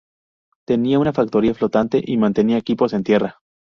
Tenía una factoría flotante y mantenía equipos en tierra.